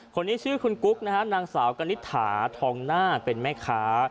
คนนี้ชื่อคุณกุ๊กนะฮะนางสาวกนิษฐาทองหน้าเป็นแม่ค้า